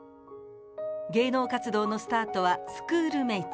芸能活動のスタートはスクール・メイツ。